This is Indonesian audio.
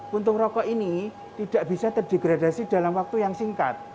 puntung rokok ini tidak bisa terdegradasi dalam waktu yang singkat